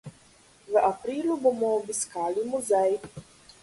V aprilu bomo obiskali muzej.